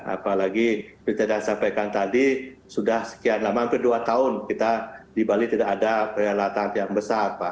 apalagi kita sampaikan tadi sudah sekian lama hampir dua tahun kita di bali tidak ada peralatan yang besar pak